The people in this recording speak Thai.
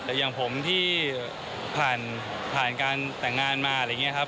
แต่อย่างผมที่ผ่านการแต่งงานมาอะไรอย่างนี้ครับ